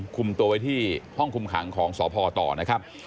คุมตัวไว้ที่ห้องคุมขังของสพต่อนะครับ